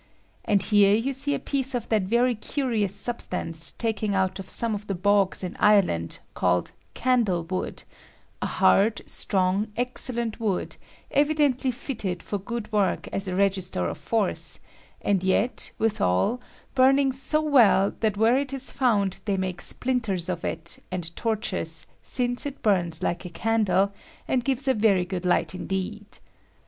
And here you see a piece of that very curious substance, taken out of some of the boga in Ireland, called candle wood; a hard, strong, excellent wood, evidently fitted for good work as a register of force, and yet, withal, burning so well that where it is found they make splinters of it, and torches, since it bums like a candle, and gives a very good light in deed.